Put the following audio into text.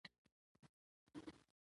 لیکوال زموږ لپاره یو ښه الګو دی.